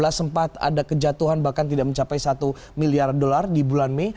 sempat ada kejatuhan bahkan tidak mencapai satu miliar dolar di bulan mei